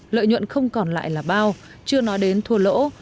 lợi nhuận không còn lại là bao chưa nói đến thua lỗ